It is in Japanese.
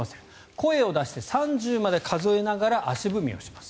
声を出して３０まで数えながら足踏みをします。